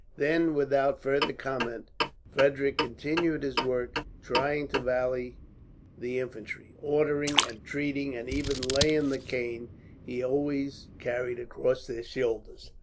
Then, without further comment, Frederick continued his work trying to rally the infantry; ordering, entreating, and even laying the cane he always carried across their shoulders.